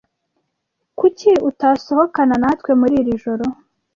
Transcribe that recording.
Kuki utasohokana natwe muri iri joro?